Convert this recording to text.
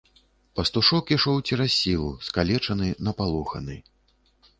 Пастушок ішоў цераз сілу, скалечаны, напалоханы.